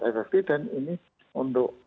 efektif dan ini untuk